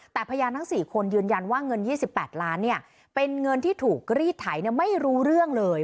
แต่พยานทั้ง๔คนยืนยันว่าเงิน๒๘ล้านเป็นเงินที่ถูกรีดไถไม่รู้เรื่องเลย